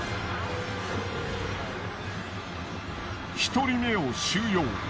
１人目を収容。